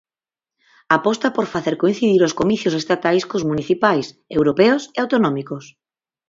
Aposta por facer coincidir os comicios estatais cos municipais, europeos e autonómicos.